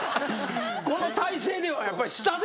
この体勢ではやっぱり下ですよ。